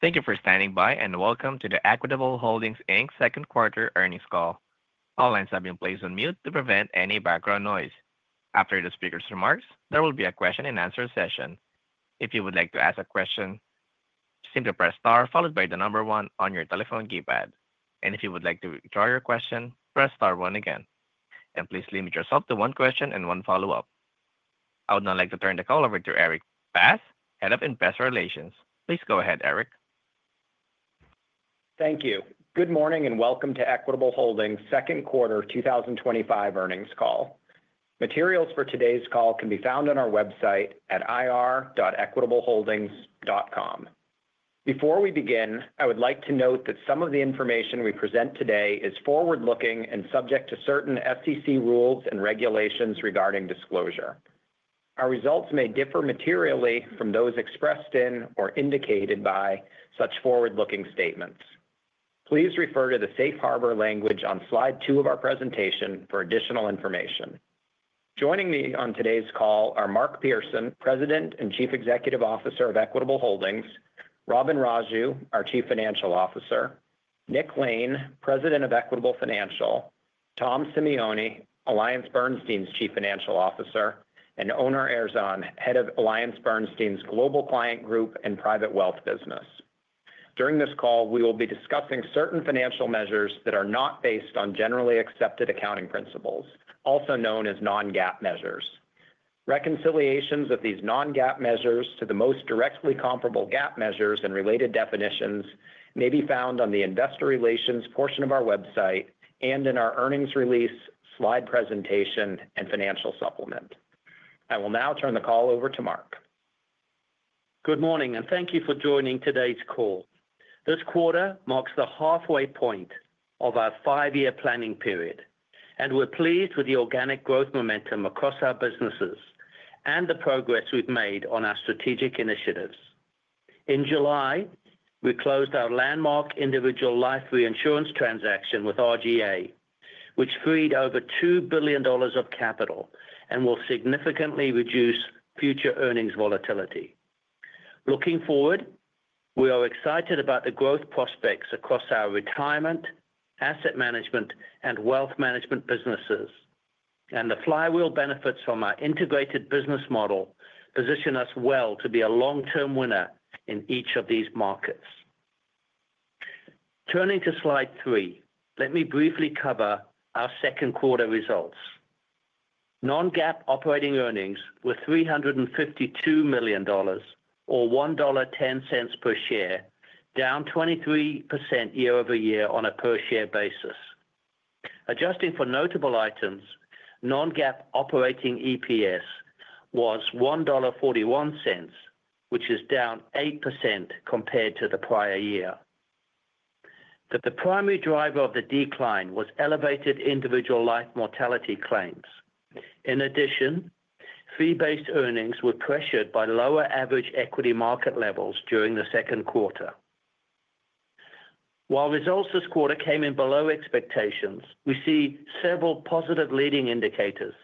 Thank you for standing by and welcome to the Equitable Holdings Inc. second quarter earnings call. All lines have been placed on mute to prevent any background noise. After the speaker's remarks, there will be a question-and-answer session. If you would like to ask a question, simply press star followed by the number one on your telephone keypad. If you would like to withdraw your question, press star one again. Please limit yourself to one question and one follow-up. I would now like to turn the call over to Erik Bass, Head of Investor Relations. Please go ahead, Erik. Thank you. Good morning and welcome to Equitable Holdings' second quarter 2025 earnings call. Materials for today's call can be found on our website at ir.equitableholdings.com. Before we begin, I would like to note that some of the information we present today is forward-looking and subject to certain FCC rules and regulations regarding disclosure. Our results may differ materially from those expressed in or indicated by such forward-looking statements. Please refer to the safe harbor language on slide two of our presentation for additional information. Joining me on today's call are Mark Pearson, President and Chief Executive Officer of Equitable Holdings, Robin Raju, our Chief Financial Officer, Nick Lane, President of Equitable Financial, Tom Simeone, AllianceBernstein's Chief Financial Officer, and Onur Erzan, Head of AllianceBernstein’s Global Client Group and Private Wealth Business. During this call, we will be discussing certain financial measures that are not based on generally accepted accounting principles, also known as non-GAAP measures. Reconciliations of these non-GAAP measures to the most directly comparable GAAP measures and related definitions may be found on the Investor Relations portion of our website and in our earnings release, slide presentation, and financial supplement. I will now turn the call over to Mark. Good morning and thank you for joining today's call. This quarter marks the halfway point of our five-year planning period, and we're pleased with the organic growth momentum across our businesses and the progress we've made on our strategic initiatives. In July, we closed our landmark individual life reinsurance transaction with RGA, which freed over $2 billion of capital and will significantly reduce future earnings volatility. Looking forward, we are excited about the growth prospects across our retirement, asset management, and wealth management businesses, and the flywheel benefits from our integrated business model position us well to be a long-term winner in each of these markets. Turning to slide three, let me briefly cover our second quarter results. Non-GAAP operating earnings were $352 million or $1.10 per share, down 23% year-over-year on a per share basis. Adjusting for notable items, non-GAAP operating EPS was $1.41, which is down 8% compared to the prior year. The primary driver of the decline was elevated individual life mortality claims. In addition, fee-based earnings were pressured by lower average equity market levels during the second quarter. While results this quarter came in below expectations, we see several positive leading indicators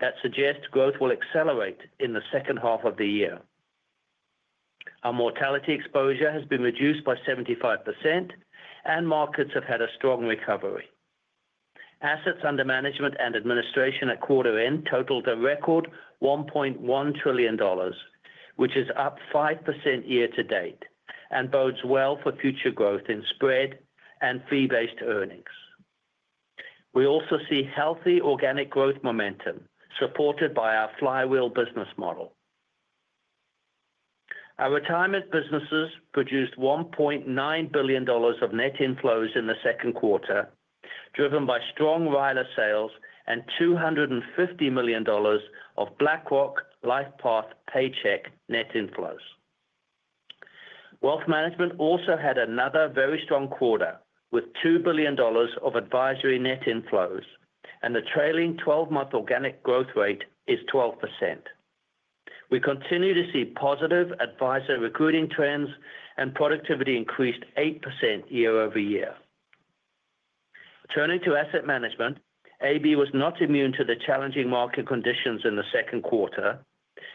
that suggest growth will accelerate in the second half of the year. Our mortality exposure has been reduced by 75%, and markets have had a strong recovery. Assets under management and administration at quarter end totaled a record $1.1 trillion, which is up 5% year-to-date and bodes well for future growth in spread and fee-based earnings. We also see healthy organic growth momentum supported by our flywheel business model. Our retirement businesses produced $1.9 billion of net inflows in the second quarter, driven by strong Rila sales and $250 million of BlackRock LifePath Paycheck net inflows. Wealth management also had another very strong quarter with $2 billion of advisory net inflows, and the trailing 12-month organic growth rate is 12%. We continue to see positive advisor recruiting trends, and productivity increased 8% year-over-year. Turning to asset management, AllianceBernstein was not immune to the challenging market conditions in the second quarter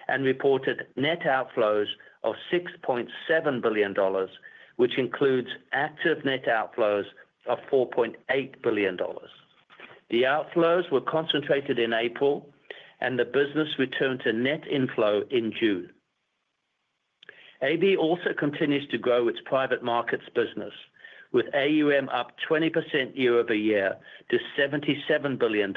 and reported net outflows of $6.7 billion, which includes active net outflows of $4.8 billion. The outflows were concentrated in April, and the business returned to net inflow in June. AB also continues to grow its private markets business, with AUM up 20% year-over-year to $77 billion,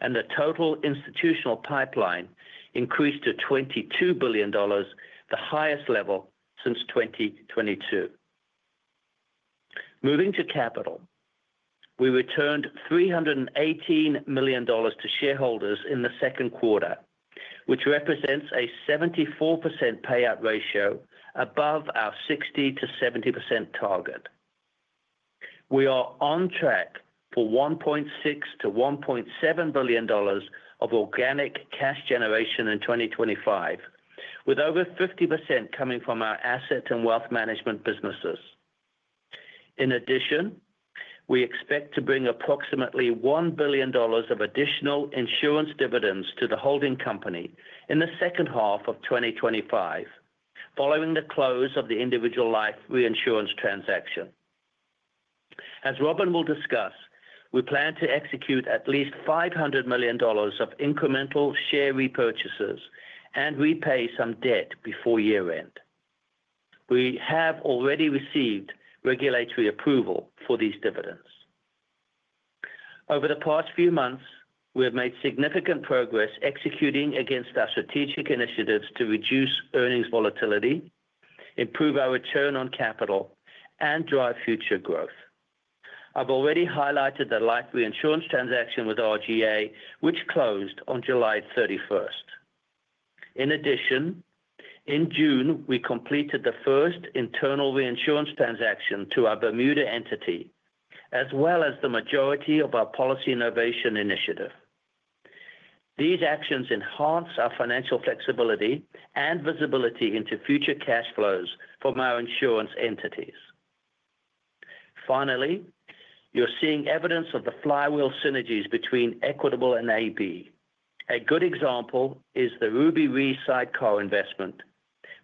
and the total institutional pipeline increased to $22 billion, the highest level since 2022. Moving to capital, we returned $318 million to shareholders in the second quarter, which represents a 74% payout ratio above our 60%-70% target. We are on track for $1.6 billion-$1.7 billion of organic cash generation in 2025, with over 50% coming from our asset and wealth management businesses. In addition, we expect to bring approximately $1 billion of additional insurance dividends to the holding company in the second half of 2025, following the close of the individual life reinsurance transaction. As Robin will discuss, we plan to execute at least $500 million of incremental share repurchases and repay some debt before year end. We have already received regulatory approval for these dividends. Over the past few months, we have made significant progress executing against our strategic initiatives to reduce earnings volatility, improve our return on capital, and drive future growth. I've already highlighted the life reinsurance transaction with RGA, which closed on July 31st. In addition, in June, we completed the first internal reinsurance transaction to our Bermuda entity, as well as the majority of our policy innovation initiative. These actions enhance our financial flexibility and visibility into future cash flows from our insurance entities. Finally, you're seeing evidence of the flywheel synergies between Equitable and AB. A good example is the Ruby Re SideCar investment,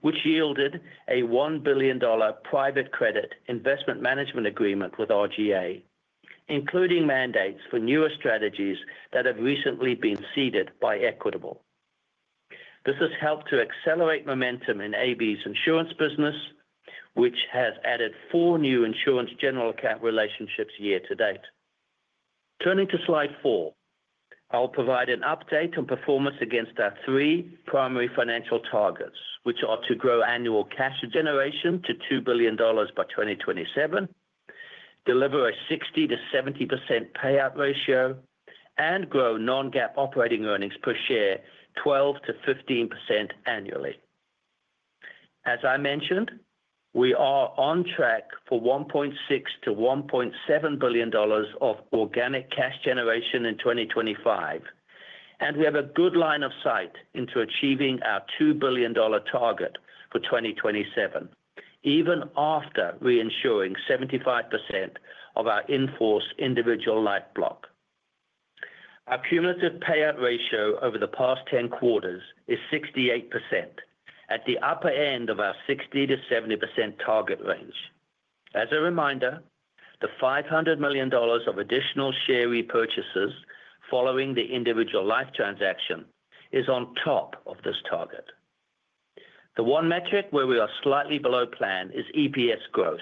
which yielded a $1 billion private credit investment management agreement with RGA, including mandates for newer strategies that have recently been seeded by Equitable. This has helped to accelerate momentum in AB's insurance business, which has added four new insurance general account relationships year-to-date. Turning to slide four, I'll provide an update on performance against our three primary financial targets, which are to grow annual cash generation to $2 billion by 2027, deliver a 60%-70% payout ratio, and grow non-GAAP operating earnings per share 12%-15% annually. As I mentioned, we are on track for $1.6 billion-$1.7 billion of organic cash generation in 2025, and we have a good line of sight into achieving our $2 billion target for 2027, even after reinsuring 75% of our inforce individual life block. Our cumulative payout ratio over the past 10 quarters is 68%, at the upper end of our 60%-70% target range. As a reminder, the $500 million of additional share repurchases following the individual life transaction is on top of this target. The one metric where we are slightly below plan is EPS growth,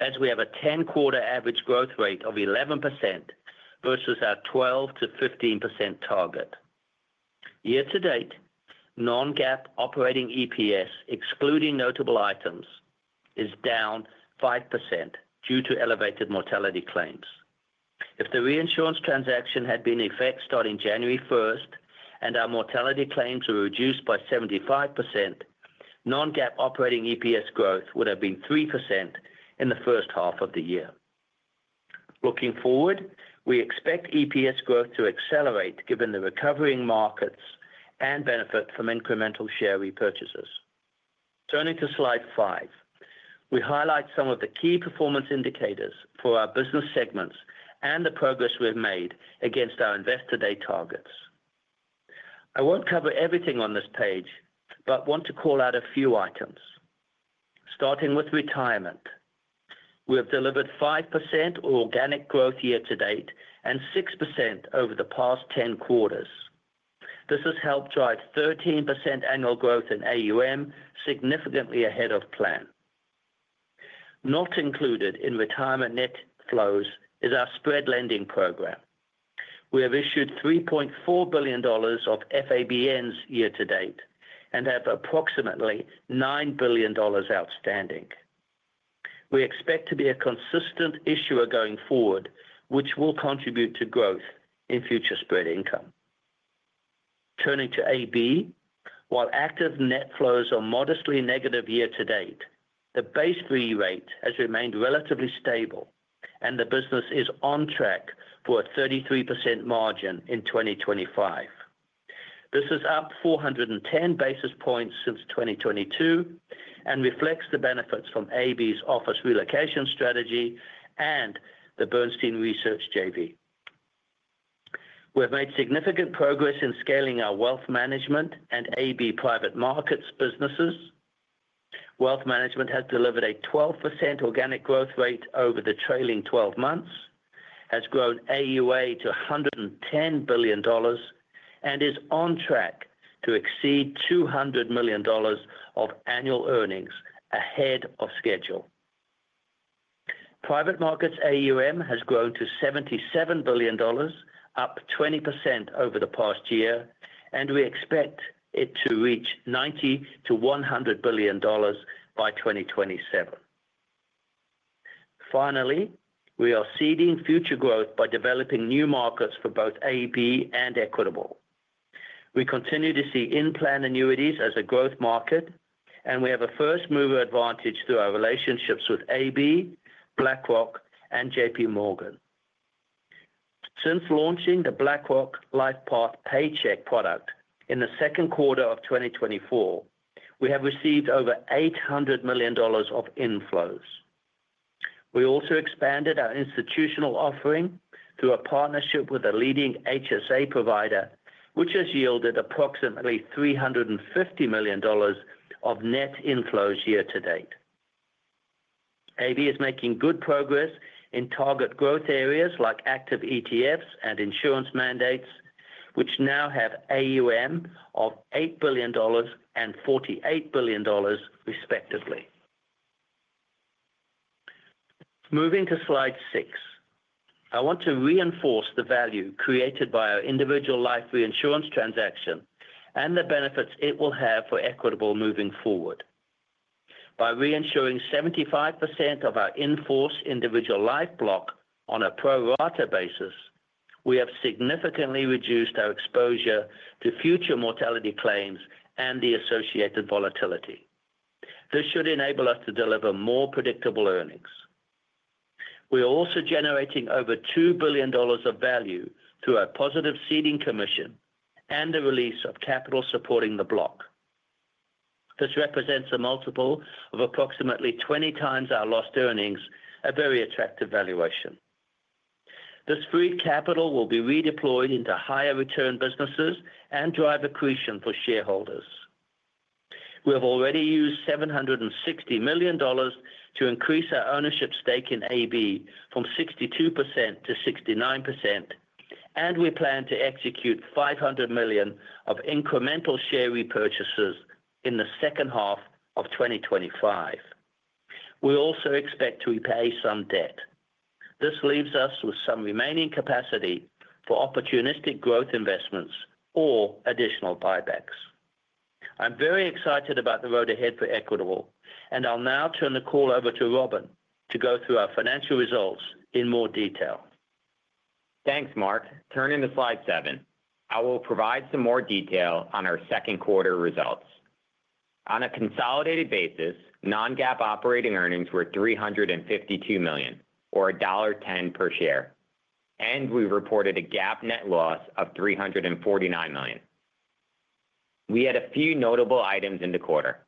as we have a 10-quarter average growth rate of 11% versus our 12%-15% target. Year-to-date, non-GAAP operating EPS, excluding notable items, is down 5% due to elevated mortality claims. If the reinsurance transaction had been in effect starting January 1st and our mortality claims were reduced by 75%, non-GAAP operating EPS growth would have been 3% in the first half of the year. Looking forward, we expect EPS growth to accelerate given the recovering markets and benefit from incremental share repurchases. Turning to slide five, we highlight some of the key performance indicators for our business segments and the progress we've made against our Investor Day targets. I won't cover everything on this page, but want to call out a few items. Starting with Retirement, we have delivered 5% organic growth year-to-date and 6% over the past 10 quarters. This has helped drive 13% annual growth in AUM, significantly ahead of plan. Not included in Retirement net flows is our spread lending program. We have issued $3.4 billion of FABNs year-to-date and have approximately $9 billion outstanding. We expect to be a consistent issuer going forward, which will contribute to growth in future spread income. Turning to AB, while active net flows are modestly negative year-to-date, the base BE rate has remained relatively stable and the business is on track for a 33% margin in 2025. This is up 410 basis points since 2022 and reflects the benefits from AB's office relocation strategy and the Bernstein Research JV. We have made significant progress in scaling our Wealth Management and AB Private Markets businesses. Wealth Management has delivered a 12% organic growth rate over the trailing 12 months, has grown AUA to $110 billion, and is on track to exceed $200 million of annual earnings ahead of schedule. Private Markets AUM has grown to $77 billion, up 20% over the past year, and we expect it to reach $90 billion-$100 billion by 2027. Finally, we are seeding future growth by developing new markets for both AB and Equitable. We continue to see in-plan annuities as a growth market, and we have a first-mover advantage through our relationships with AB, BlackRock, and JPMorgan. Since launching the BlackRock LifePath Paycheck product in the second quarter of 2024, we have received over $800 million of inflows. We also expanded our institutional offering through a partnership with a leading HSA provider, which has yielded approximately $350 million of net inflows year-to-date. AB is making good progress in target growth areas like active ETFs and insurance mandates, which now have AUM of $8 billion and $48 billion, respectively. Moving to slide six, I want to reinforce the value created by our individual life reinsurance transaction and the benefits it will have for Equitable moving forward. By reinsuring 75% of our inforce individual life block on a pro-rata basis, we have significantly reduced our exposure to future mortality claims and the associated volatility. This should enable us to deliver more predictable earnings. We are also generating over $2 billion of value through our positive seeding commission and the release of capital supporting the block. This represents a multiple of approximately 20 times our lost earnings, a very attractive valuation. This free capital will be redeployed into higher return businesses and drive accretion for shareholders. We have already used $760 million to increase our ownership stake in AB from 62%-69%, and we plan to execute $500 million of incremental share repurchases in the second half of 2025. We also expect to repay some debt. This leaves us with some remaining capacity for opportunistic growth investments or additional buybacks. I'm very excited about the road ahead for Equitable, and I'll now turn the call over to Robin to go through our financial results in more detail. Thanks, Mark. Turning to slide seven, I will provide some more detail on our second quarter results. On a consolidated basis, non-GAAP operating earnings were $352 million, or $1.10 per share, and we reported a GAAP net loss of $349 million. We had a few notable items in the quarter.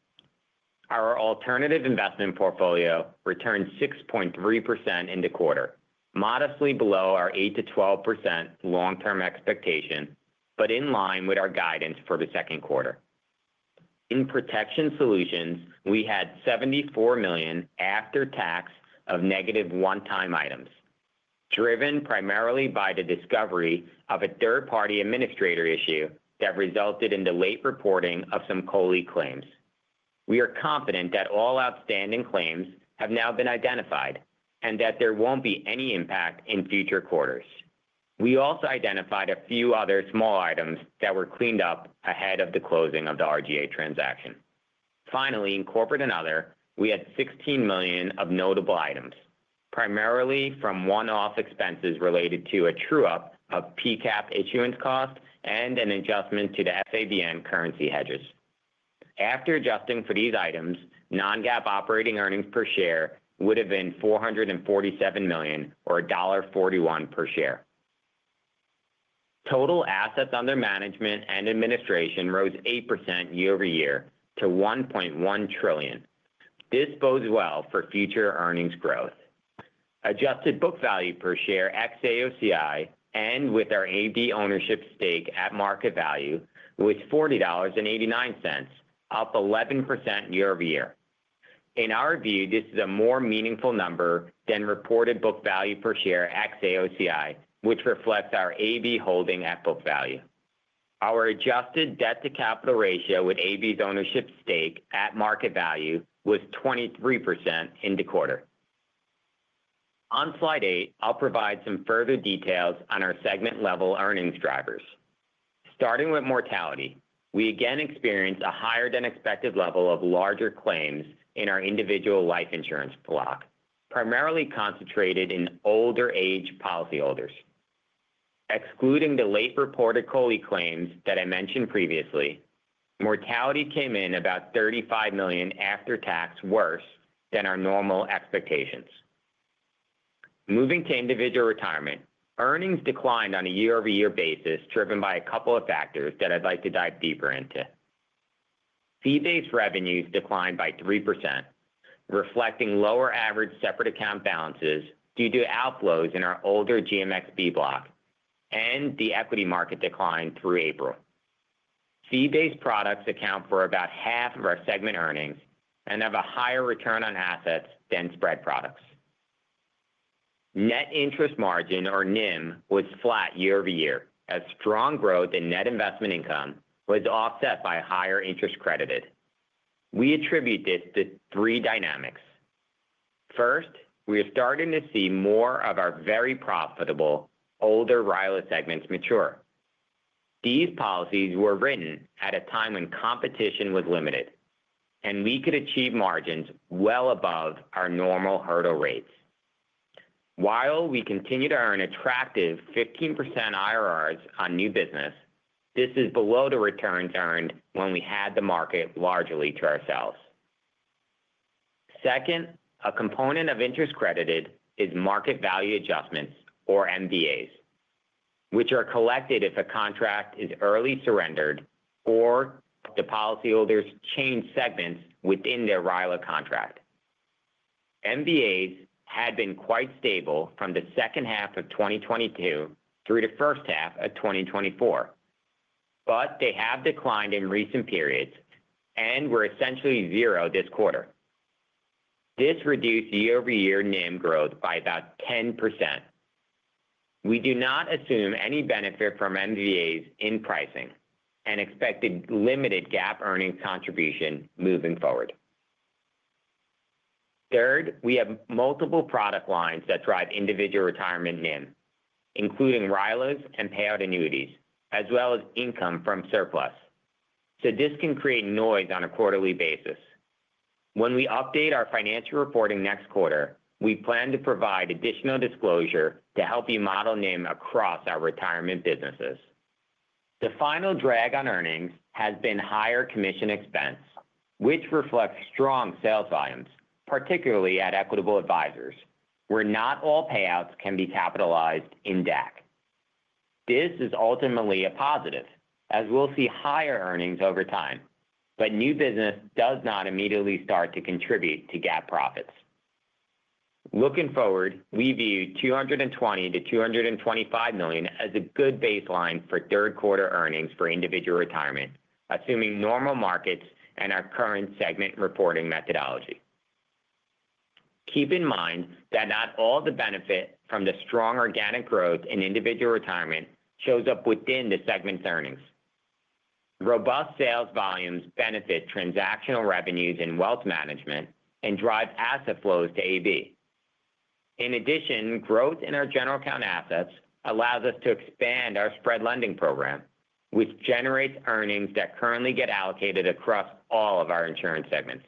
Our alternative investment portfolio returned 6.3% in the quarter, modestly below our 8%-12% long-term expectation, but in line with our guidance for the second quarter. In Protection Solutions, we had $74 million after tax of negative one-time items, driven primarily by the discovery of a third-party administrator issue that resulted in the late reporting of some COLI claims. We are confident that all outstanding claims have now been identified and that there won't be any impact in future quarters. We also identified a few other small items that were cleaned up ahead of the closing of the RGA transaction. Finally, in Corporate and Other, we had $16 million of notable items, primarily from one-off expenses related to a true-up of P-CAP issuance cost and an adjustment to the FABN currency hedges. After adjusting for these items, non-GAAP operating earnings per share would have been $447 million, or $1.41 per share. Total assets under management and administration rose 8% year-over-year to $1.1 trillion. This bodes well for future earnings growth. Adjusted book value per share ex AOCI and with our AB ownership stake at market value was $40.89, up 11% year-over-year. In our view, this is a more meaningful number than reported book value per share ex AOCI, which reflects our AB holding at book value. Our adjusted debt-to-capital ratio with AB's ownership stake at market value was 23% in the quarter. On slide eight, I'll provide some further details on our segment-level earnings drivers. Starting with mortality, we again experienced a higher than expected level of larger claims in our individual life insurance block, primarily concentrated in older age policyholders. Excluding the late reported COLI claims that I mentioned previously, mortality came in about $35 million after tax, worse than our normal expectations. Moving to Individual Retirement, earnings declined on a year-over-year basis, driven by a couple of factors that I'd like to dive deeper into. Fee-based revenues declined by 3%, reflecting lower average separate account balances due to outflows in our older GMxB block and the equity market decline through April. Fee-based products account for about half of our segment earnings and have a higher return on assets than spread products. Net interest margin, or NIM, was flat year-over-year as strong growth in net investment income was offset by higher interest credited. We attribute this to three dynamics. First, we are starting to see more of our very profitable older Rila segments mature. These policies were written at a time when competition was limited, and we could achieve margins well above our normal hurdle rates. While we continue to earn attractive 15% IRRs on new business, this is below the returns earned when we had the market largely to ourselves. Second, a component of interest credited is market value adjustments, or MVAs, which are collected if a contract is early surrendered or the policyholders change segments within their Rila contract. MVAs had been quite stable from the second half of 2022 through the first half of 2024, but they have declined in recent periods and were essentially zero this quarter. This reduced year-over-year NIM growth by about 10%. We do not assume any benefit from MVAs in pricing and expect a limited GAAP earnings contribution moving forward. Third, we have multiple product lines that drive individual retirement NIM, including Rila's and payout annuities, as well as income from surplus. This can create noise on a quarterly basis. When we update our financial reporting next quarter, we plan to provide additional disclosure to help you model NIM across our retirement businesses. The final drag on earnings has been higher commission expense, which reflects strong sales volumes, particularly at Equitable Advisors, where not all payouts can be capitalized in DAC. This is ultimately a positive, as we'll see higher earnings over time, but new business does not immediately start to contribute to GAAP profits. Looking forward, we view $220 million-$225 million as a good baseline for third-quarter earnings for individual retirement, assuming normal markets and our current segment reporting methodology. Keep in mind that not all the benefit from the strong organic growth in individual retirement shows up within the segment's earnings. Robust sales volumes benefit transactional revenues in Wealth Management and drive asset flows to AB. In addition, growth in our general account assets allows us to expand our spread lending program, which generates earnings that currently get allocated across all of our insurance segments.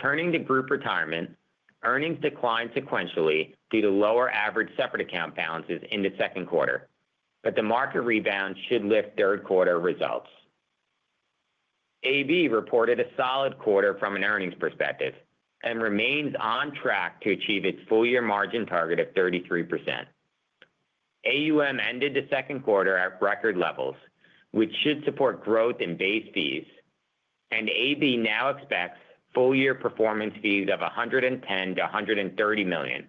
Turning to Group Retirement, earnings declined sequentially due to lower average separate account balances in the second quarter, but the market rebound should lift third-quarter results. AllianceBernstein reported a solid quarter from an earnings perspective and remains on track to achieve its full-year margin target of 33%. AUM ended the second quarter at record levels, which should support growth in base fees, and AllianceBernstein now expects full-year performance fees of $110 million-$130 million,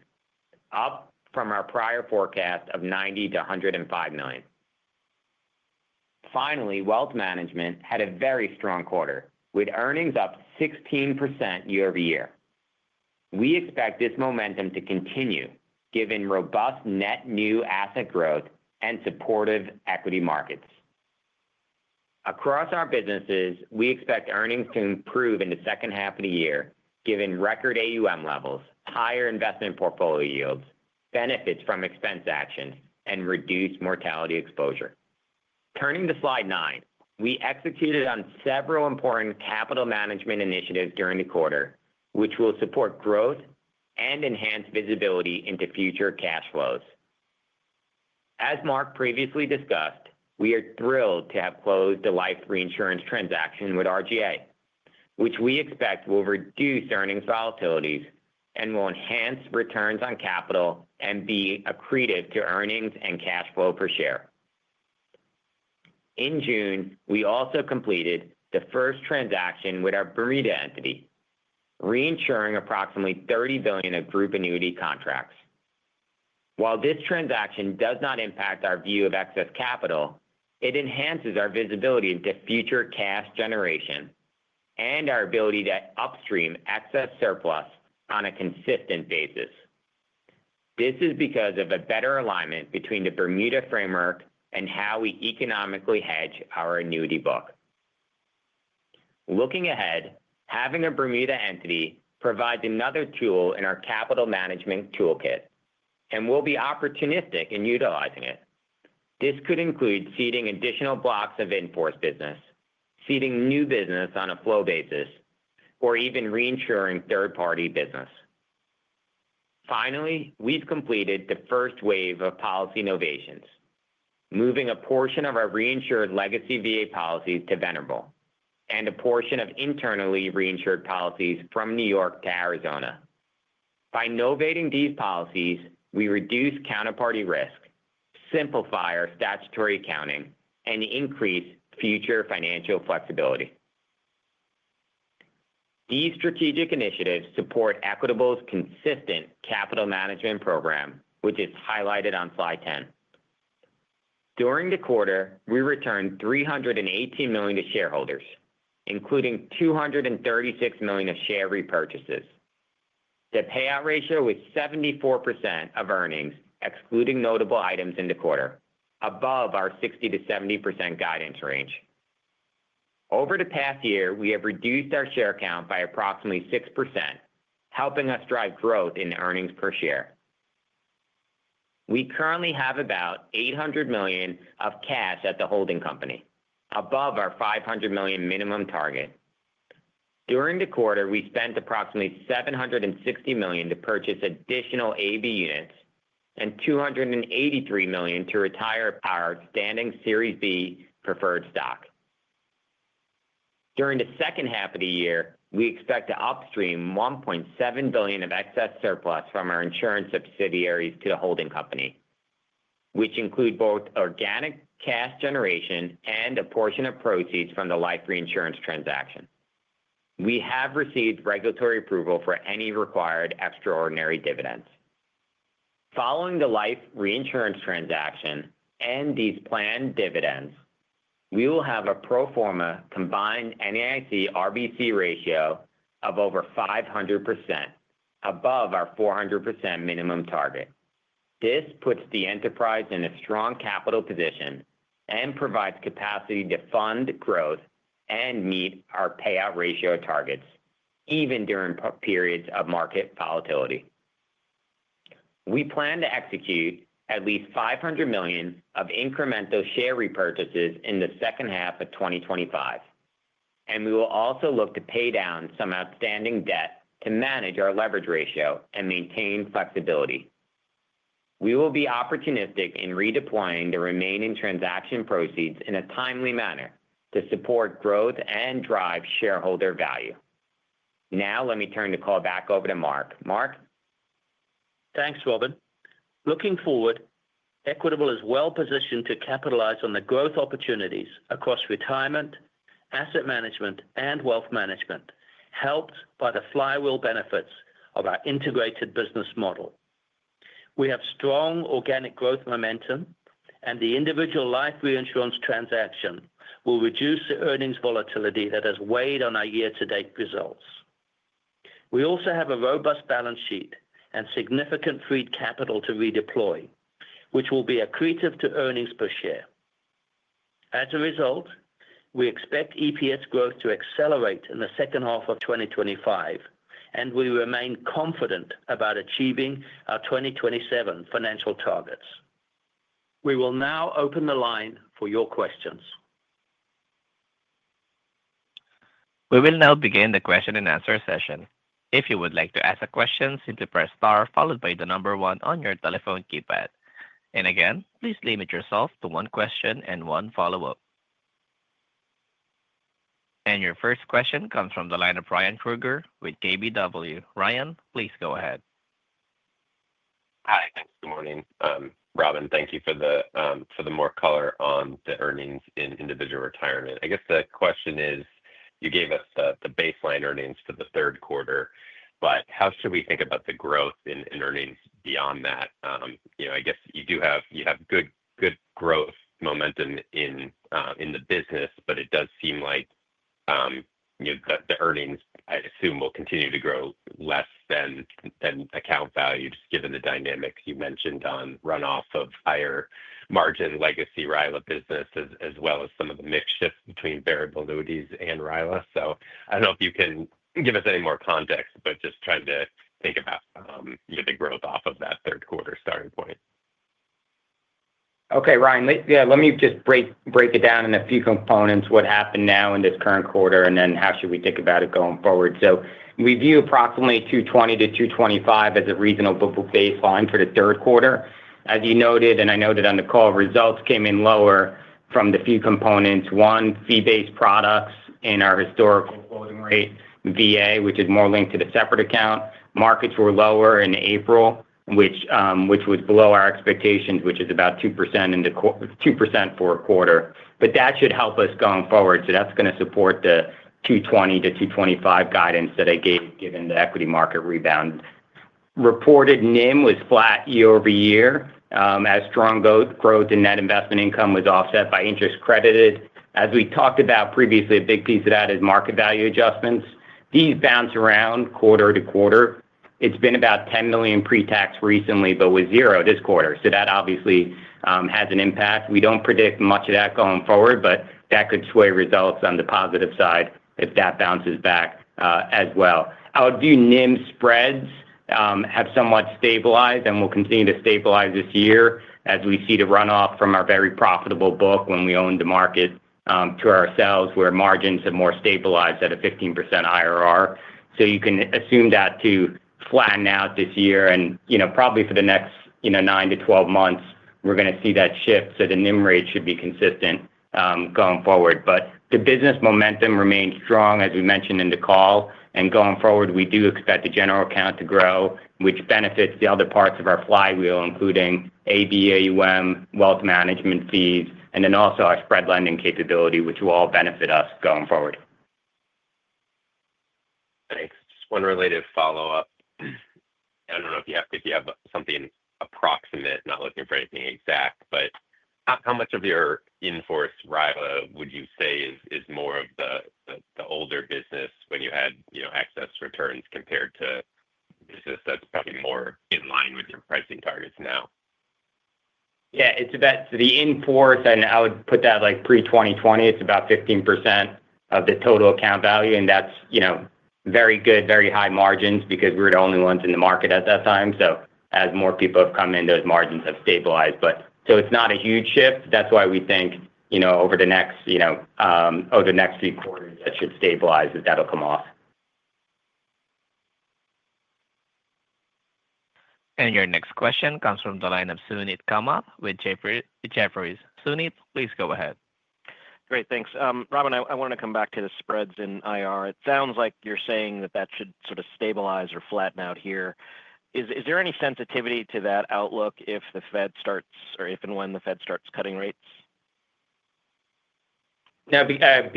up from our prior forecast of $90 million-$105 million. Finally, Wealth Management had a very strong quarter with earnings up 16% year-over-year. We expect this momentum to continue given robust net new asset growth and supportive equity markets. Across our businesses, we expect earnings to improve in the second half of the year given record AUM levels, higher investment portfolio yields, benefits from expense action, and reduced mortality exposure. Turning to slide nine, we executed on several important capital management initiatives during the quarter, which will support growth and enhance visibility into future cash flows. As Mark previously discussed, we are thrilled to have closed the life reinsurance transaction with RGA, which we expect will reduce earnings volatilities and will enhance returns on capital and be accretive to earnings and cash flow per share. In June, we also completed the first transaction with our Bermuda entity, reinsuring approximately $30 billion of group annuity contracts. While this transaction does not impact our view of excess capital, it enhances our visibility into future cash generation and our ability to upstream excess surplus on a consistent basis. This is because of a better alignment between the Bermuda framework and how we economically hedge our annuity book. Looking ahead, having a Bermuda entity provides another tool in our capital management toolkit, and we'll be opportunistic in utilizing it. This could include seeding additional blocks of inforce business, seeding new business on a flow basis, or even reinsuring third-party business. Finally, we've completed the first wave of policy innovations, moving a portion of our reinsured legacy VA policies to Vanderbilt and a portion of internally reinsured policies from New York to Arizona. By novating these policies, we reduce counterparty risk, simplify our statutory accounting, and increase future financial flexibility. These strategic initiatives support Equitable's consistent capital management program, which is highlighted on slide 10. During the quarter, we returned $318 million to shareholders, including $236 million of share repurchases. The payout ratio was 74% of earnings, excluding notable items in the quarter, above our 60%-70% guidance range. Over the past year, we have reduced our share count by approximately 6%, helping us drive growth in earnings per share. We currently have about $800 million of cash at the holding company, above our $500 million minimum target. During the quarter, we spent approximately $760 million to purchase additional AB units and $283 million to retire our outstanding Series B preferred stock. During the second half of the year, we expect to upstream $1.7 billion of excess surplus from our insurance subsidiaries to the holding company, which include both organic cash generation and a portion of proceeds from the life reinsurance transaction. We have received regulatory approval for any required extraordinary dividends. Following the life reinsurance transaction and these planned dividends, we will have a pro forma combined NAIC RBC ratio of over 500%, above our 400% minimum target. This puts the enterprise in a strong capital position and provides capacity to fund growth and meet our payout ratio targets, even during periods of market volatility. We plan to execute at least $500 million of incremental share repurchases in the second half of 2025, and we will also look to pay down some outstanding debt to manage our leverage ratio and maintain flexibility. We will be opportunistic in redeploying the remaining transaction proceeds in a timely manner to support growth and drive shareholder value. Now, let me turn the call back over to Mark. Mark? Thanks, Robin. Looking forward, Equitable is well-positioned to capitalize on the growth opportunities across Retirement, Asset Management, and Wealth Management, helped by the flywheel benefits of our integrated business model. We have strong organic growth momentum, and the individual life reinsurance transaction will reduce the earnings volatility that has weighed on our year-to-date results. We also have a robust balance sheet and significant freed capital to redeploy, which will be accretive to earnings per share. As a result, we expect EPS growth to accelerate in the second half of 2025, and we remain confident about achieving our 2027 financial targets. We will now open the line for your questions. We will now begin the question-and-answer session. If you would like to ask a question, simply press star followed by the number one on your telephone keypad. Please limit yourself to one question and one follow-up. Your first question comes from the line of Ryan Krueger with KBW. Ryan, please go ahead. All right, thanks. Good morning. Robin, thank you for the more color on the earnings in Individual Retirement. I guess the question is, you gave us the baseline earnings for the third quarter, but how should we think about the growth in earnings beyond that? You know, I guess you do have good growth momentum in the business, but it does seem like the earnings, I assume, will continue to grow less than account values, given the dynamics you mentioned on runoff of higher margin legacy RILA business, as well as some of the mix shifts between variable annuities and RILA. I don't know if you can give us any more context, but just trying to think about the growth off of that third quarter starting point. Okay, Ryan, let me just break it down in a few components, what happened now in this current quarter, and then how should we think about it going forward. We view approximately $220-$225 as a reasonable baseline for the third quarter. As you noted, and I noted on the call, results came in lower from the few components. One, fee-based products in our historic closing rate VA, which is more linked to the separate account. Markets were lower in April, which was below our expectations, which is about 2% for a quarter. That should help us going forward. That is going to support the $220-$225 guidance that I gave, given the equity market rebound. Reported NIM was flat year-over-year, as strong growth in net investment income was offset by interest credited. As we talked about previously, a big piece of that is market value adjustments. These bounce around quarter to quarter. It has been about $10 million pre-tax recently, but was zero this quarter. That obviously has an impact. We do not predict much of that going forward, but that could sway results on the positive side if that bounces back as well. Our view is NIM spreads have somewhat stabilized and will continue to stabilize this year, as we see the runoff from our very profitable book when we owned the market to ourselves, where margins have more stabilized at a 15% IRR. You can assume that to flatten out this year. Probably for the next 9-12 months, we are going to see that shift. The NIM rate should be consistent going forward. The business momentum remains strong, as we mentioned in the call. Going forward, we do expect the general account to grow, which benefits the other parts of our flywheel, including AB, AUM, wealth management fees, and also our spread lending capability, which will all benefit us going forward. Thanks. One related follow-up. I don't know if you have something approximate, not looking for anything exact, but how much of your inforce RILA would you say is more of the older business when you had excess returns compared to business that's probably more in line with your pricing targets now? Yeah, it's about the inforce, and I would put that like pre-2020, it's about 15% of the total account value. That's very good, very high margins because we were the only ones in the market at that time. As more people have come in, those margins have stabilized. It's not a huge shift. That's why we think over the next three quarters that should stabilize, that that'll come off. Your next question comes from the line of Suneet Kamath with Jefferies. Suneet, please go ahead. Great, thanks. Robin, I wanted to come back to the spreads in IR. It sounds like you're saying that that should sort of stabilize or flatten out here. Is there any sensitivity to that outlook if the Fed starts, or if and when the Fed starts cutting rates? No, because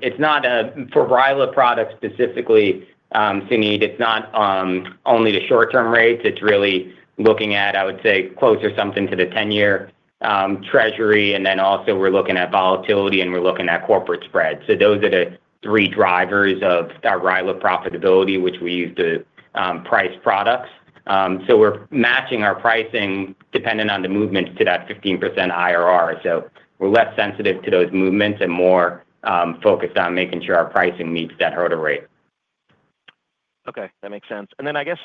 it's not for RILA products specifically, Suneet, it's not only the short-term rates. It's really looking at, I would say, closer something to the 10-year Treasury. We're also looking at volatility and we're looking at corporate spread. Those are the three drivers of our RILA profitability, which we use to price products. We're matching our pricing depending on the movements to that 15% IRR. We're less sensitive to those movements and more focused on making sure our pricing meets that hurdle rate. Okay, that makes sense. I guess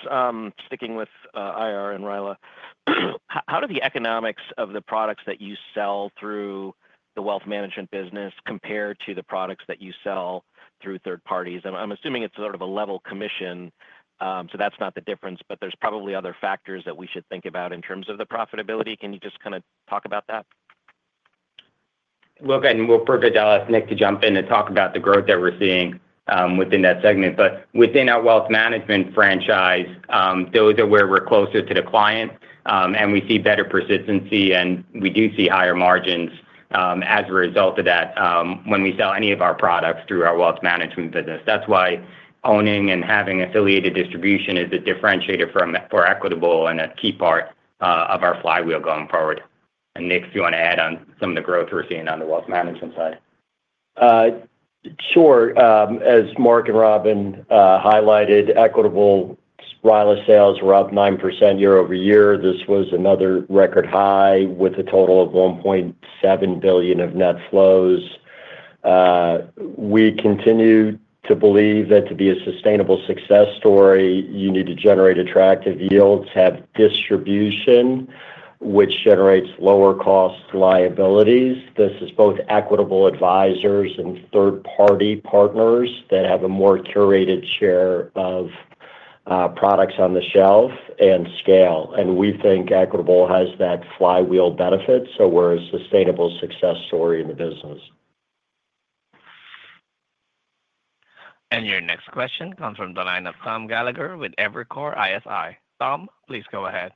sticking with IR and RILA, how do the economics of the products that you sell through the Wealth Management business compare to the products that you sell through third parties? I'm assuming it's sort of a level commission. That's not the difference, but there's probably other factors that we should think about in terms of the profitability. Can you just kind of talk about that? We're good to allow Nick to jump in to talk about the growth that we're seeing within that segment. Within our wealth management franchise, those are where we're closer to the client and we see better persistency, and we do see higher margins as a result of that when we sell any of our products through our wealth management business. That's why owning and having affiliated distribution is a differentiator for Equitable and a key part of our flywheel going forward. Nick, if you want to add on some of the growth we're seeing on the wealth management side. Sure. As Mark and Robin highlighted, Equitable's RILA sales were up 9% year-over-year. This was another record high with a total of $1.7 billion of net flows. We continue to believe that to be a sustainable success story, you need to generate attractive yields, have distribution, which generates lower cost liabilities. This is both Equitable Advisors and third-party partners that have a more curated share of products on the shelf and scale. We think Equitable has that flywheel benefit. We're a sustainable success story in the business. Your next question comes from the line of Tom Gallagher with Evercore ISI. Tom, please go ahead.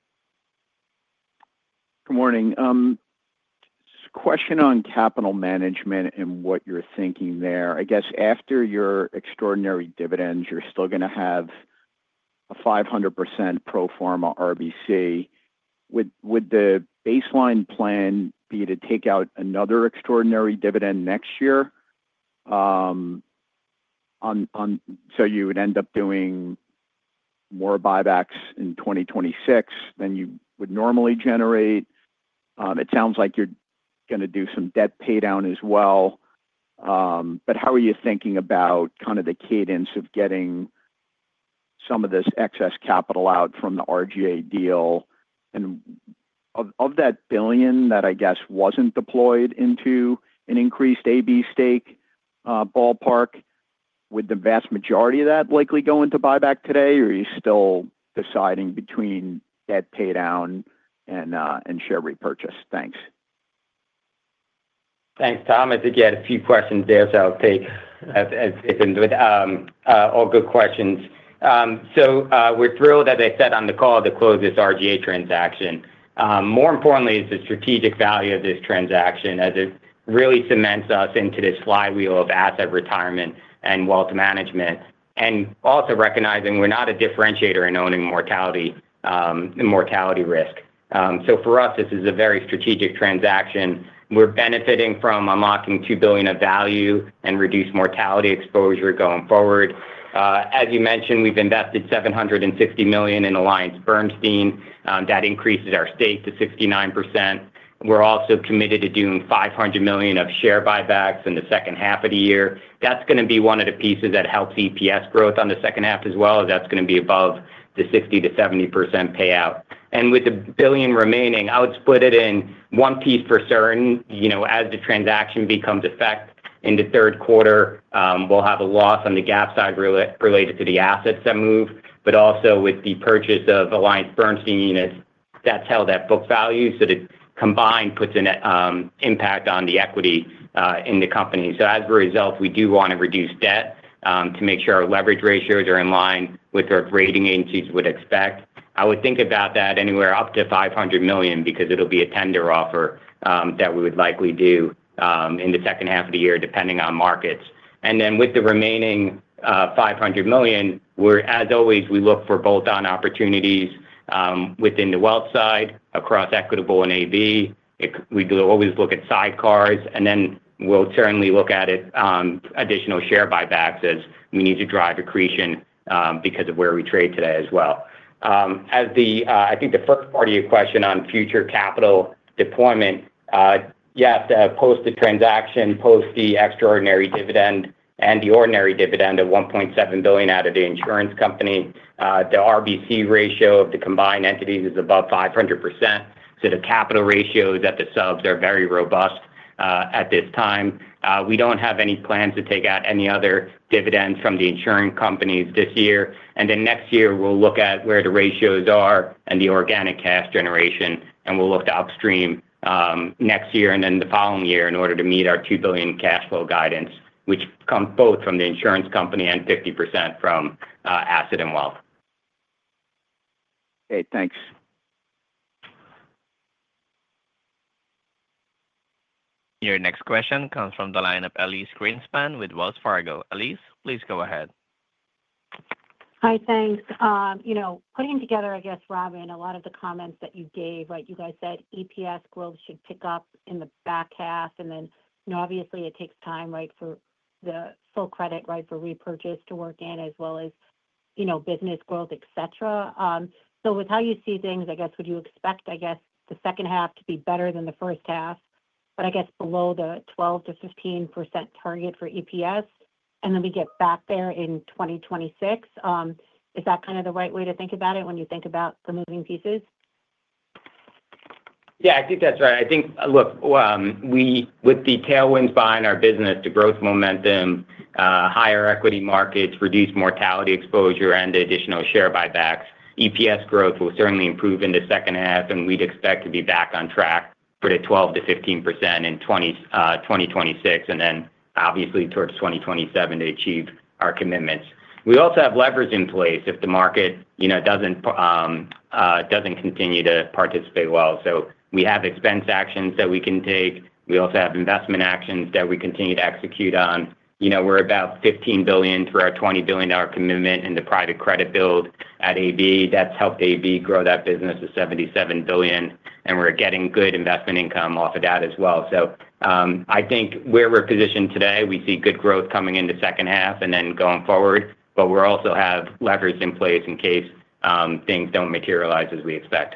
Good morning. Just a question on capital management and what you're thinking there. I guess after your extraordinary dividends, you're still going to have a 500% pro forma RBC. Would the baseline plan be to take out another extraordinary dividend next year? You would end up doing more buybacks in 2026 than you would normally generate. It sounds like you're going to do some debt paydown as well. How are you thinking about kind of the cadence of getting some of this excess capital out from the RGA deal? Of that $1 billion that I guess wasn't deployed into an increased AllianceBernstein stake, ballpark, would the vast majority of that likely go into buyback today? Are you still deciding between debt paydown and share repurchase? Thanks. Thanks, Tom. I think you had a few questions there, so I'll take it with all good questions. We're thrilled, as I said on the call, to close this RGA transaction. More importantly, it's the strategic value of this transaction as it really cements us into this flywheel of asset, retirement, and wealth management. Also, recognizing we're not a differentiator in owning mortality risk. For us, this is a very strategic transaction. We're benefiting from unlocking $2 billion of value and reduced mortality exposure going forward. As you mentioned, we've invested $760 million in AllianceBernstein. That increases our stake to 69%. We're also committed to doing $500 million of share buybacks in the second half of the year. That's going to be one of the pieces that helps EPS growth in the second half as well, as that's going to be above the 60%-70% payout. With the billion remaining, I would split it in one piece for certain. As the transaction becomes effective in the third quarter, we'll have a loss on the GAAP side related to the assets that move, but also with the purchase of AllianceBernstein units, that's held at book value. The combined puts an impact on the equity in the company. As a result, we do want to reduce debt to make sure our leverage ratios are in line with what rating agencies would expect. I would think about that anywhere up to $500 million because it'll be a tender offer that we would likely do in the second half of the year, depending on markets. With the remaining $500 million, as always, we look for bolt-on opportunities within the wealth side across Equitable and AB. We always look at sidecars, and then we'll certainly look at additional share buybacks as we need to drive accretion because of where we trade today as well. I think the first part of your question on future capital deployment, yes, post-transaction, post-the extraordinary dividend, and the ordinary dividend of $1.7 billion out of the insurance company, the RBC ratio of the combined entities is above 500%. The capital ratios at the subs are very robust at this time. We don't have any plans to take out any other dividends from the insurance companies this year. Next year, we'll look at where the ratios are and the organic cash generation, and we'll look to upstream next year and then the following year in order to meet our $2 billion cash flow guidance, which comes both from the insurance company and 50% from asset and wealth. Great, thanks. Your next question comes from the line of Elyse Greenspan with Wells Fargo. Elyse, please go ahead. Hi, thanks. You know, putting together, I guess, Robin, a lot of the comments that you gave, you guys said EPS growth should pick up in the back half, and obviously it takes time for the full credit for repurchase to work in, as well as business growth, etc. With how you see things, would you expect the second half to be better than the first half, but below the 12%-15% target for EPS, and then we get back there in 2026? Is that kind of the right way to think about it when you think about the moving pieces? Yeah, I think that's right. I think, look, we, with the tailwinds behind our business, the growth momentum, higher equity markets, reduced mortality exposure, and additional share buybacks, EPS growth will certainly improve in the second half, and we'd expect to be back on track for the 12%-15% in 2026, and then obviously towards 2027 to achieve our commitments. We also have levers in place if the market doesn't continue to participate well. We have expense actions that we can take. We also have investment actions that we continue to execute on. We're about $15 billion through our $20 billion commitment in the private credit build at AllianceBernstein. That's helped AllianceBernstein grow that business to $77 billion, and we're getting good investment income off of that as well. I think where we're positioned today, we see good growth coming in the second half and then going forward, but we also have levers in place in case things don't materialize as we expect.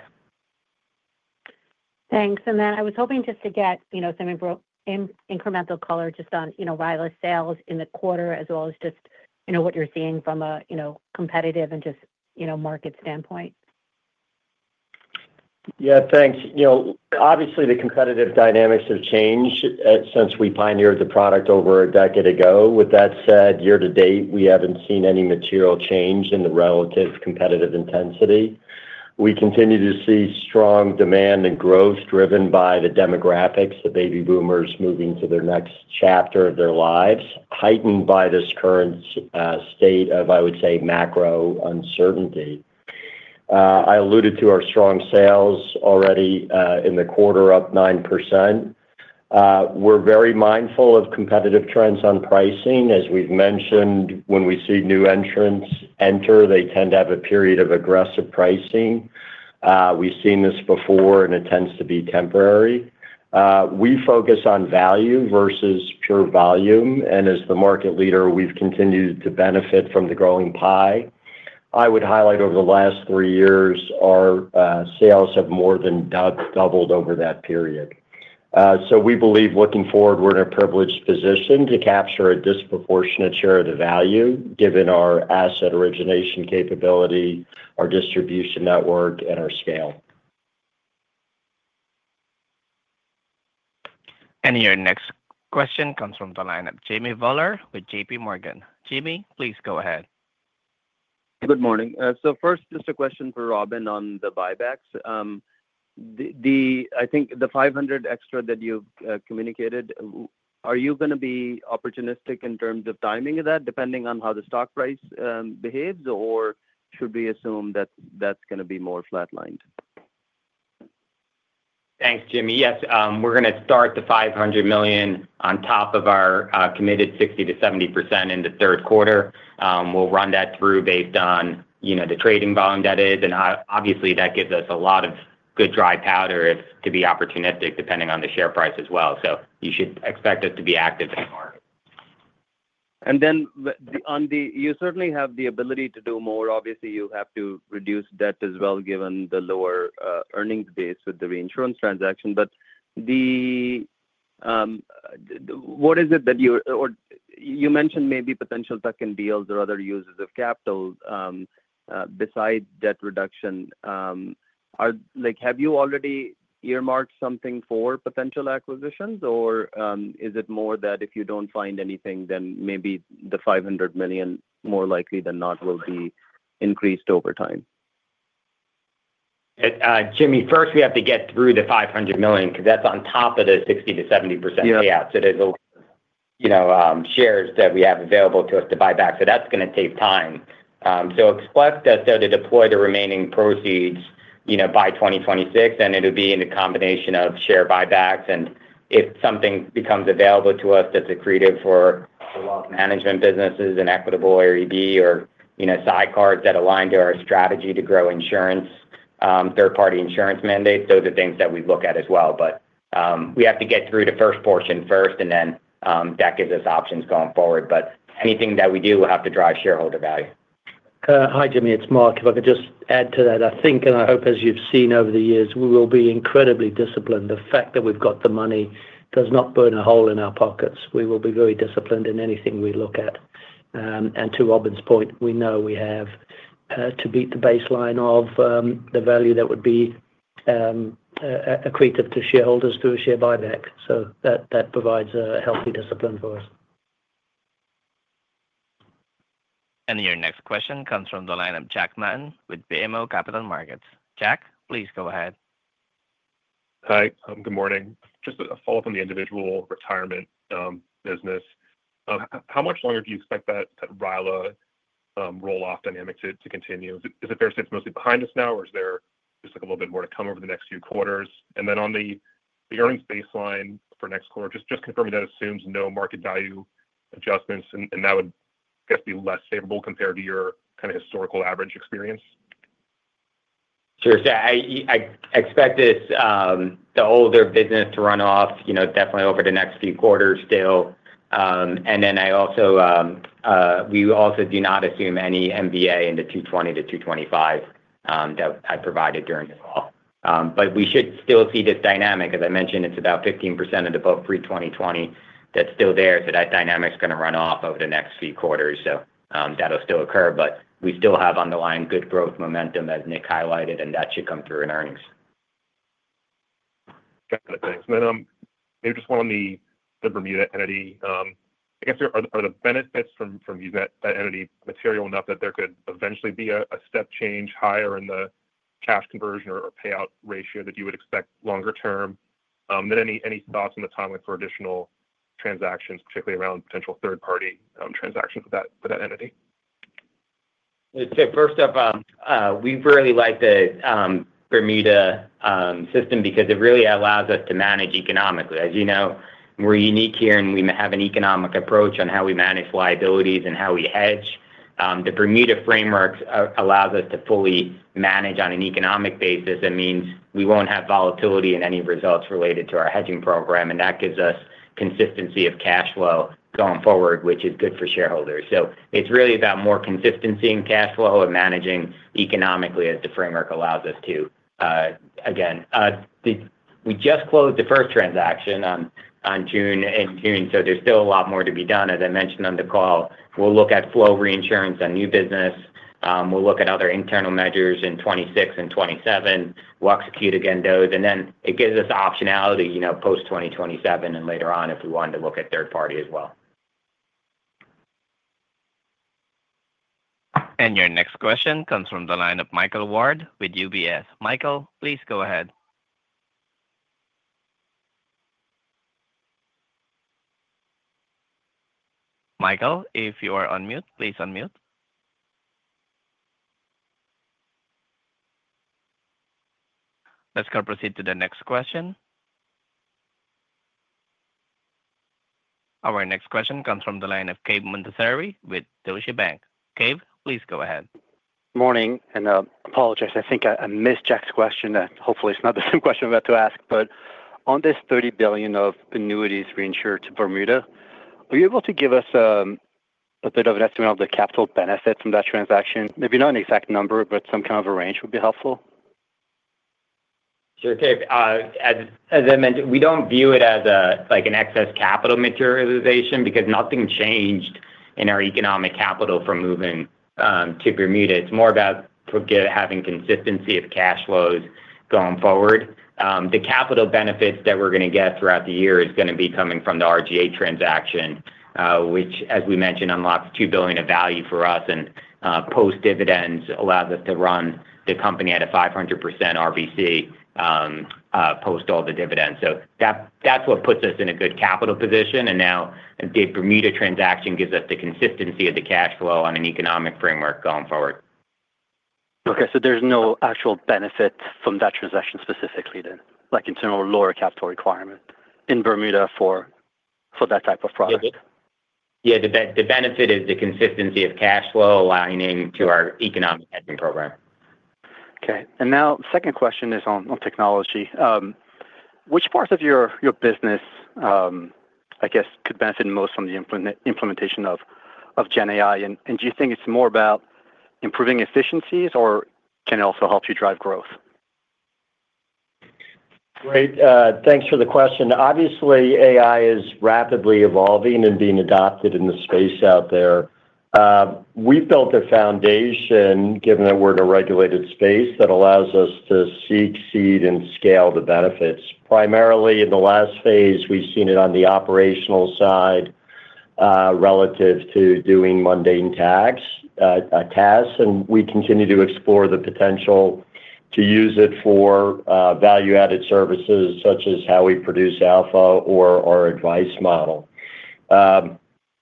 Thank you. I was hoping just to get some incremental color just on RILA sales in the quarter, as well as just what you're seeing from a competitive and just market standpoint. Yeah, thanks. Obviously the competitive dynamics have changed since we pioneered the product over a decade ago. With that said, year-to-date, we haven't seen any material change in the relative competitive intensity. We continue to see strong demand and growth driven by the demographics, the baby boomers moving to their next chapter of their lives, heightened by this current state of, I would say, macro uncertainty. I alluded to our strong sales already in the quarter, up 9%. We're very mindful of competitive trends on pricing. As we've mentioned, when we see new entrants enter, they tend to have a period of aggressive pricing. We've seen this before, and it tends to be temporary. We focus on value versus pure volume, and as the market leader, we've continued to benefit from the growing pie. I would highlight over the last three years, our sales have more than doubled over that period. We believe, looking forward, we're in a privileged position to capture a disproportionate share of the value, given our asset origination capability, our distribution network, and our scale. Your next question comes from the line of Jimmy Bhullar with JPMorgan. Jimmy, please go ahead. Good morning. First, just a question for Robin on the buybacks. I think the $500 million extra that you've communicated, are you going to be opportunistic in terms of timing of that, depending on how the stock price behaves, or should we assume that that's going to be more flatlined? Thanks, Jimmy. Yes, we're going to start the $500 million on top of our committed 60%-70% in the third quarter. We'll run that through based on the trading volume, and obviously that gives us a lot of good dry powder to be opportunistic, depending on the share price as well. You should expect us to be active. You certainly have the ability to do more. Obviously, you have to reduce debt as well, given the lower earnings base with the reinsurance transaction. What is it that you mentioned, maybe potential tuck-in deals or other uses of capital besides debt reduction? Have you already earmarked something for potential acquisitions, or is it more that if you don't find anything, then maybe the $500 million, more likely than not, will be increased over time? Jimmy, first, we have to get through the $500 million because that's on top of the 60%-70% payout. There's shares that we have available to us to buy back. That's going to take time. Expect us to deploy the remaining proceeds by 2026, and it'll be in a combination of share buybacks. If something becomes available to us that's accretive for Wealth Management businesses and Equitable or AB or sidecars that align to our strategy to grow insurance, third-party insurance mandates, those are things that we look at as well. We have to get through the first portion first, and that gives us options going forward. Anything that we do will have to drive shareholder value. Hi, Jimmy. It's Mark. If I could just add to that, I think, and I hope, as you've seen over the years, we will be incredibly disciplined. The fact that we've got the money does not burn a hole in our pockets. We will be very disciplined in anything we look at. To Robin's point, we know we have to beat the baseline of the value that would be accretive to shareholders through a share buyback. That provides a healthy discipline for us. Your next question comes from the line of Jack Madden with BMO Capital Markets. Jack, please go ahead. Hi, good morning. Just a follow-up on the individual retirement business. How much longer do you expect that RILA roll-off dynamic to continue? Is it fair to say it's mostly behind us now, or is there just a little bit more to come over the next few quarters? On the earnings baseline for next quarter, just confirming that assumes no market value adjustments, and that would be less favorable compared to your kind of historical average experience? I expect this, the older business to run off, definitely over the next few quarters still. We also do not assume any MVA in the $220-$225 that I provided during the fall. We should still see this dynamic. As I mentioned, it's about 15% of the book pre-2020 that's still there. That dynamic's going to run off over the next few quarters. That'll still occur, but we still have underlying good growth momentum, as Nick highlighted, and that should come through in earnings. Got it. Thanks. Maybe just one on the Bermuda entity. I guess are the benefits from using that entity material enough that there could eventually be a step change higher in the cash conversion or payout ratio that you would expect longer term? Any thoughts on the timeline for additional transactions, particularly around potential third-party transactions with that entity? I'd say first up, we really like the Bermuda system because it really allows us to manage economically. As you know, we're unique here and we have an economic approach on how we manage liabilities and how we hedge. The Bermuda frameworks allow us to fully manage on an economic basis. That means we won't have volatility in any results related to our hedging program, and that gives us consistency of cash flow going forward, which is good for shareholders. It's really about more consistency in cash flow and managing economically as the framework allows us to. We just closed the first transaction in June, so there's still a lot more to be done. As I mentioned on the call, we'll look at flow reinsurance on new business. We'll look at other internal measures in 2026 and 2027. We'll execute again those, and then it gives us optionality post-2027 and later on if we wanted to look at third party as well. Your next question comes from the line of Michael Ward with UBS. Michael, please go ahead. Michael, if you are on mute, please unmute. Let's proceed to the next question. Our next question comes from the line of Cave Montazeri with Deutsche Bank. Cave, please go ahead. Morning, and I apologize. I think I missed Jack's question. Hopefully, it's not the same question I'm about to ask, but on this $30 billion of annuities reinsured to Bermuda, are you able to give us a bit of an estimate of the capital benefit from that transaction? Maybe not an exact number, but some kind of a range would be helpful. Sure, Cave. As I mentioned, we don't view it as like an excess capital materialization because nothing changed in our economic capital from moving to Bermuda. It's more about having consistency of cash flows going forward. The capital benefits that we're going to get throughout the year are going to be coming from the RGA transaction, which, as we mentioned, unlocks $2 billion of value for us. Post-dividends, this allows us to run the company at a 500% RBC post all the dividends. That is what puts us in a good capital position. The Bermuda transaction gives us the consistency of the cash flow on an economic framework going forward. Okay, so there's no actual benefit from that transaction specifically, like internal lower capital requirement in Bermuda for that type of product. Yeah, the benefit is the consistency of cash flow aligning to our economic hedging program. Okay, the second question is on technology. Which parts of your business, I guess, could benefit most from the implementation of GenAI? Do you think it's more about improving efficiencies or can it also help you drive growth? Great, thanks for the question. Obviously, AI is rapidly evolving and being adopted in the space out there. We've built a foundation, given that we're in a regulated space, that allows us to seek, seed, and scale the benefits. Primarily in the last phase, we've seen it on the operational side relative to doing mundane tasks, and we continue to explore the potential to use it for value-added services such as how we produce alpha or our advice model.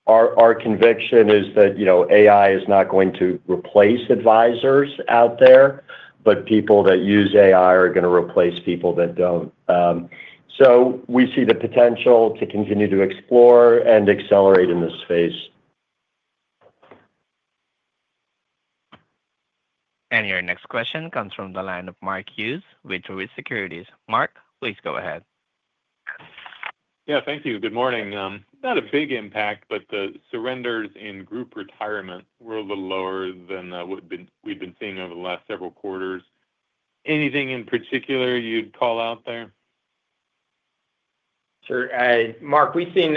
Our conviction is that AI is not going to replace advisors out there, but people that use AI are going to replace people that don't. We see the potential to continue to explore and accelerate in this space. Your next question comes from the line of Mark Hughes with Truist Securities. Mark, please go ahead. Yeah, thank you. Good morning. Not a big impact, but the surrenders in group Retirement were a little lower than what we've been seeing over the last several quarters. Anything in particular you'd call out there? Sure. Mark, we've seen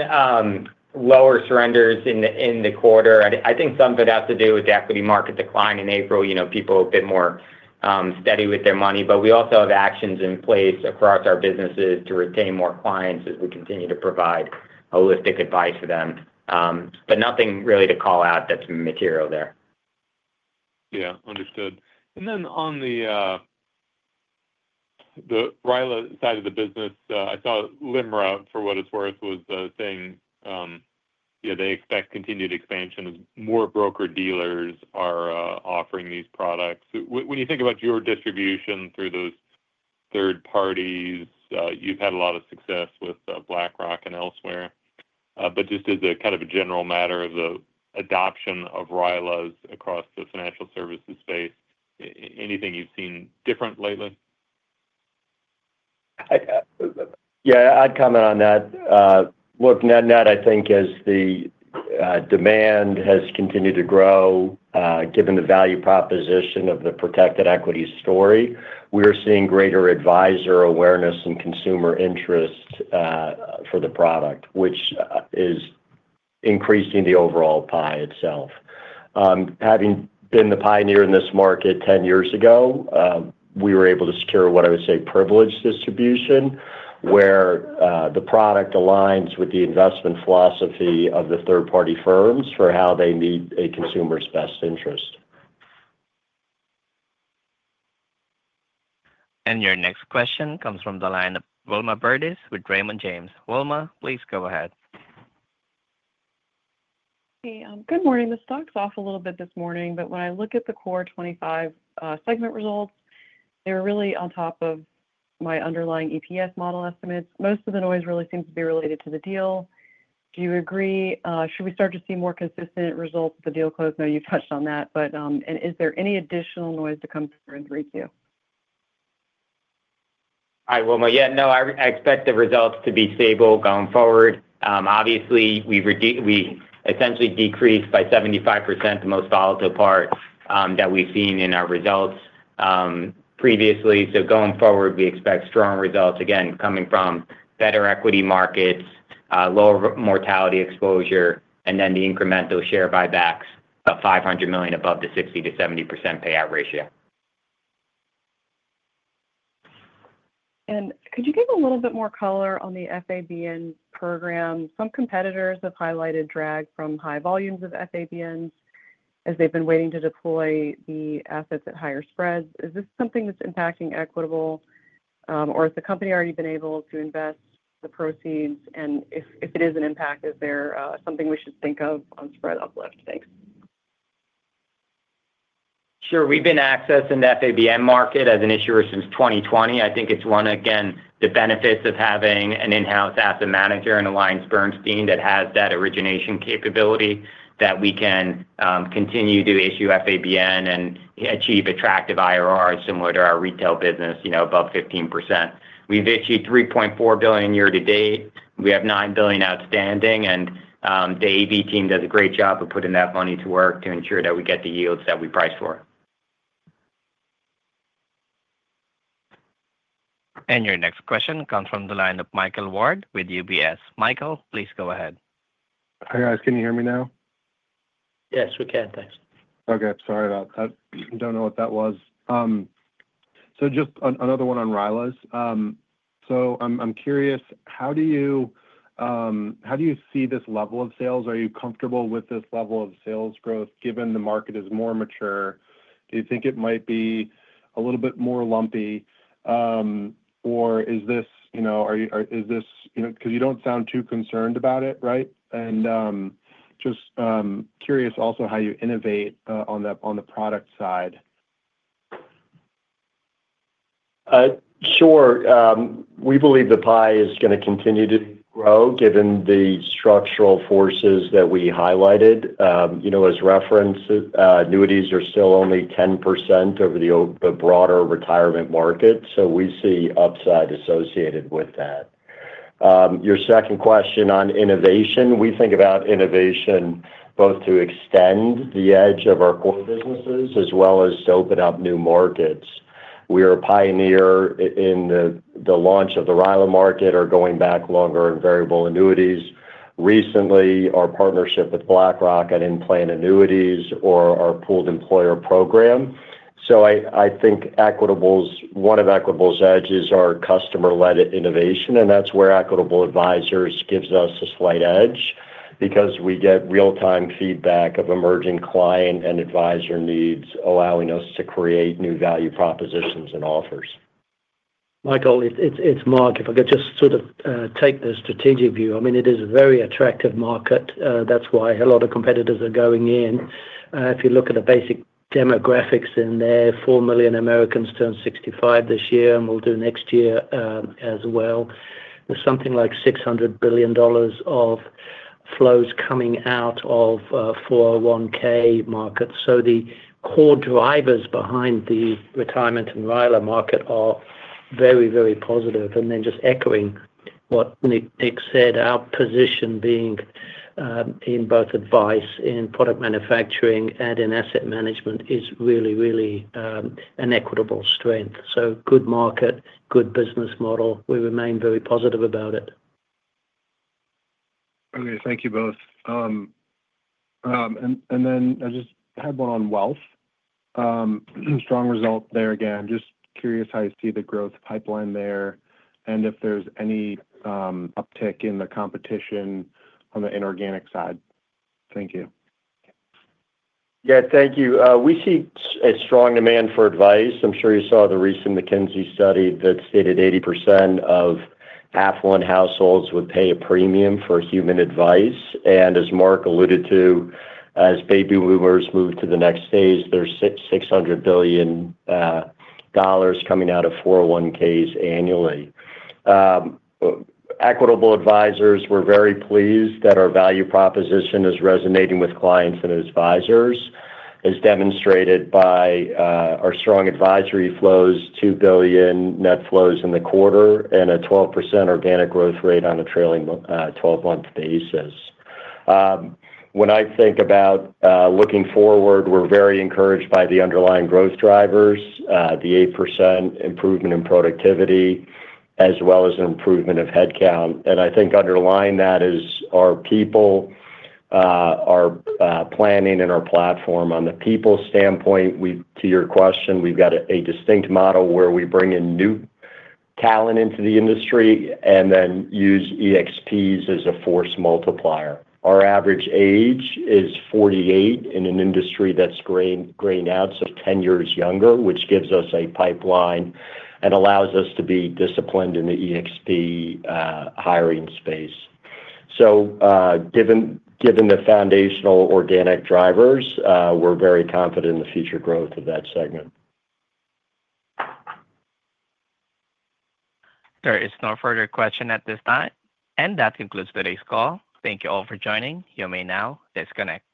lower surrenders in the quarter. I think some of it has to do with the equity market decline in April. You know, people are a bit more steady with their money, and we also have actions in place across our businesses to retain more clients as we continue to provide holistic advice for them. Nothing really to call out that's material there. Yeah, understood. On the RILA side of the business, I saw LIMRA, for what it's worth, was saying they expect continued expansion as more broker dealers are offering these products. When you think about your distribution through those third parties, you've had a lot of success with BlackRock and elsewhere. Just as a general matter of the adoption of RILAs across the financial services space, anything you've seen different lately? Yeah, I'd comment on that. Looking at that, I think as the demand has continued to grow, given the value proposition of the protected equity story, we're seeing greater advisor awareness and consumer interest for the product, which is increasing the overall pie itself. Having been the pioneer in this market 10 years ago, we were able to secure what I would say privileged distribution, where the product aligns with the investment philosophy of the third-party firms for how they meet a consumer's best interest. Your next question comes from the line of Wilma Burdis with Raymond James. Wilma, please go ahead. Hey, good morning. The stock's off a little bit this morning, but when I look at the Core 25 segment results, they were really on top of my underlying EPS model estimates. Most of the noise really seems to be related to the deal. Do you agree? Should we start to see more consistent results with the deal close? I know you touched on that, but is there any additional noise to come through and greet you? Hi, Wilma. I expect the results to be stable going forward. Obviously, we essentially decreased by 75% the most volatile part that we've seen in our results previously. Going forward, we expect strong results again, coming from better equity markets, lower mortality exposure, and then the incremental share buybacks of $500 million above the 60%-70% payout ratio. Could you give a little bit more color on the FABN program? Some competitors have highlighted drag from high volumes of FABNs as they've been waiting to deploy the assets at higher spreads. Is this something that's impacting Equitable, or has the company already been able to invest the proceeds? If it is an impact, is there something we should think of on spread uplift? Thanks. Sure. We've been accessing the FABN market as an issuer since 2020. I think it's one, again, the benefits of having an in-house asset manager in AllianceBernstein that has that origination capability that we can continue to issue FABN and achieve attractive IRRs similar to our retail business, you know, above 15%. We've issued $3.4 billion year-to-date. We have $9 billion outstanding, and the AB team does a great job of putting that money to work to ensure that we get the yields that we price for. Your next question comes from the line of Michael Ward with UBS. Michael, please go ahead. Hey, guys, can you hear me now? Yes, we can. Thanks. Okay, sorry about that. I don't know what that was. Just another one on RILAs. I'm curious, how do you see this level of sales? Are you comfortable with this level of sales growth given the market is more mature? Do you think it might be a little bit more lumpy? You don't sound too concerned about it, right? I'm just curious also how you innovate on the product side. Sure. We believe the pie is going to continue to grow given the structural forces that we highlighted. As referenced, annuities are still only 10% of the broader retirement market, so we see upside associated with that. Your second question on innovation, we think about innovation both to extend the edge of our core businesses as well as to open up new markets. We are a pioneer in the launch of the RILA market or going back longer in variable annuities. Recently, our partnership with BlackRock and in-plan annuities or our pooled employer program. I think one of Equitable's edges is our customer-led innovation, and that's where Equitable Advisors gives us a slight edge because we get real-time feedback of emerging client and advisor needs, allowing us to create new value propositions and offers. Michael, it's Mark. If I could just sort of take the strategic view, I mean, it is a very attractive market. That's why a lot of competitors are going in. If you look at the basic demographics in there, 4 million Americans turned 65 this year and will do next year as well. There's something like $600 billion of flows coming out of 401(k) markets. The core drivers behind the retirement and RILA market are very, very positive. Just echoing what Nick said, our position being in both advice in product manufacturing and in asset management is really, really an Equitable strength. Good market, good business model. We remain very positive about it. Okay, thank you both. I just had one on Wealth. Strong result there again. Just curious how you see the growth pipeline there and if there's any uptick in the competition on the inorganic side. Thank you. Yeah, thank you. We see a strong demand for advice. I'm sure you saw the recent McKinsey study that stated 80% of affluent households would pay a premium for human advice. As Mark alluded to, as baby boomers move to the next phase, there's $600 billion coming out of 401(k)s annually. At Equitable Advisors, we're very pleased that our value proposition is resonating with clients and advisors, as demonstrated by our strong advisory flows, $2 billion net flows in the quarter, and a 12% organic growth rate on a trailing 12-month basis. When I think about looking forward, we're very encouraged by the underlying growth drivers, the 8% improvement in productivity, as well as an improvement of headcount. I think underlying that is our people, our planning, and our platform. On the people standpoint, to your question, we've got a distinct model where we bring in new talent into the industry and then use EXPs as a force multiplier. Our average age is 48 in an industry that's graying out, a full 10 years younger, which gives us a pipeline and allows us to be disciplined in the EXP hiring space. Given the foundational organic drivers, we're very confident in the future growth of that segment. There is no further question at this time. That concludes today's call. Thank you all for joining. You may now disconnect.